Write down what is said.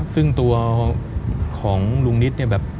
ซึ่งตัวของลุงนิดเนี่ยแบบ